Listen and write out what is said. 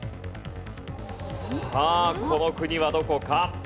さあこの国はどこか？